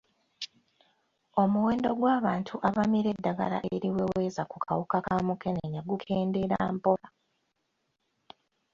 Omuwendo gw'abantu abamira eddagala eriweweeza ku kawuka ka mukenenya gukendeera mpola.